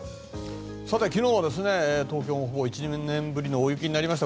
昨日は東京もほぼ１２年ぶりの大雪になりました。